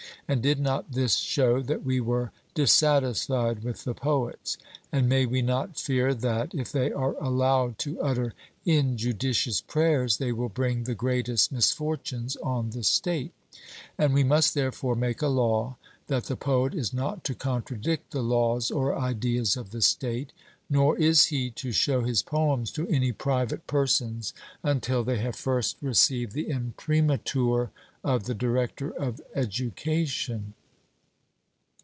And did not this show that we were dissatisfied with the poets? And may we not fear that, if they are allowed to utter injudicious prayers, they will bring the greatest misfortunes on the state? And we must therefore make a law that the poet is not to contradict the laws or ideas of the state; nor is he to show his poems to any private persons until they have first received the imprimatur of the director of education.